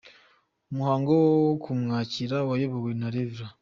Umuhango wo kumwakira wayobowe na Rev.